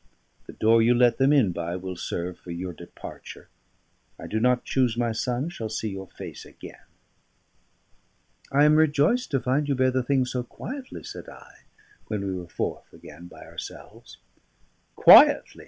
The door you let them in by will serve for your departure. I do not choose my son shall see your face again." "I am rejoiced to find you bear the thing so quietly," said I, when we were forth again by ourselves. "Quietly!"